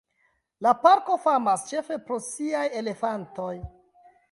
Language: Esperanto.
La parko famas ĉefe pro siaj elefantoj.